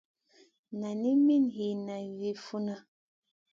Nani mi Wii yihna vi funna.